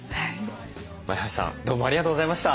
前橋さんどうもありがとうございました。